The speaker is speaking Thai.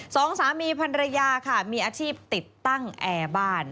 สองสามีพันรยาค่ะมีอาชีพติดตั้งแอร์บ้าน